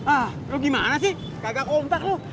ah lu gimana sih kagak kontak loh